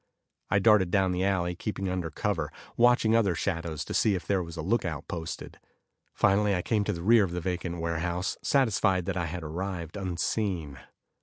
I darted down the alley, keeping under cover, watching other shadows to see if there was a lookout posted. Finally, I came to the rear of the vacant warehouse, satisfied that I had arrived unseen.